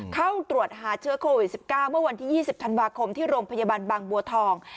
เข้าตรวจหาเชื้อโควิด๑๙เมื่อวันที่๒๐ธันวาคมที่โรงพยาบาลบางบัวทอง